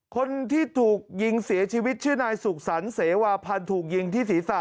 คนที่ถูกยิงเสียชีวิตชื่อนายสุขสรรคเสวาพันธ์ถูกยิงที่ศีรษะ